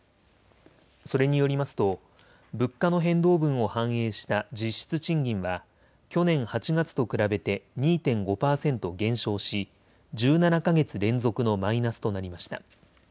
それによりますと物価の変動分を反映した実質賃金は去年８月と比べて２．５％減少し１７か月連続のマイナスとなりました。